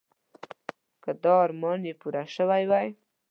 که دا ارمان یې پوره شوی وای.